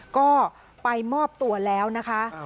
ก็ไปมอบตัวแล้วนะคะ